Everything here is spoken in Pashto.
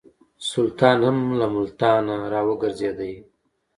سلطان هم له ملتانه را وګرځېدی.